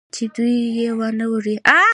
چې دوى يې وانه وري.